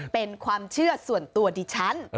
เป็นความเชื่อส่วนตัวดิฉัน